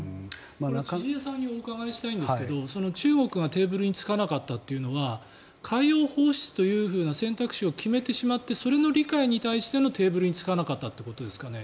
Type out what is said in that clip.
千々岩さんにお伺いしたいんですけど中国がテーブルに着かなかったというのは海洋放出という選択肢を決めてしまってそれの理解に対してのテーブルに着かなかったということですかね。